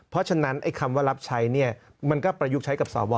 เพราะฉะนั้นคำว่ารับใช้มันก็ประยุกต์ใช้กับสอวอ